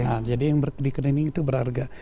nah jadi yang dikelilingi itu berharga